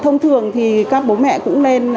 thông thường thì các bố mẹ cũng nên